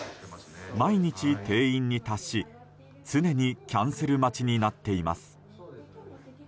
毎日、定員に達し常にキャンセル待ちになっています。